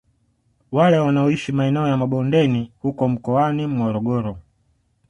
Wale wanaoishi maeneo ya mabondeni huko mkoani Morogoro